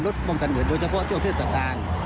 ลดป้องกันเหนือโดยเฉพาะเจ้าเทศกาล